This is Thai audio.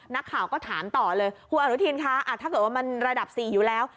นักข่าวก็ถามต่อเลยคุณอนุทินคะถ้าเกิดว่ามันระดับ๔อยู่แล้ว